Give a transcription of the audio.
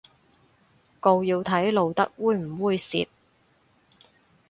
告要睇露得猥唔猥褻